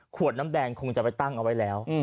ขวดน้ำแดงคงจะไปตั้งเอาไว้แล้ว